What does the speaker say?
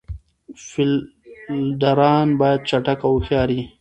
فیلډران باید چټک او هوښیار يي.